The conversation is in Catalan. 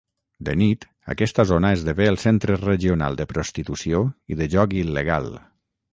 De nit, aquesta zona esdevé el centre regional de prostitució i de joc il·legal.